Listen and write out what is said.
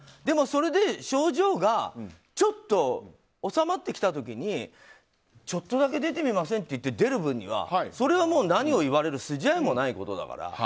でもそれで症状がちょっと治まってきた時にちょっとだけ出てみません？って出る分にはそれは、もう何を言われる筋合いもないことだから。